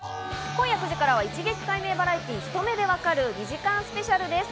今夜９時からは『一撃解明バラエティひと目でわかる！！』２時間スペシャルです。